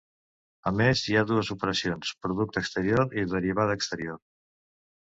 A més, hi ha dues operacions: producte exterior i derivada exterior.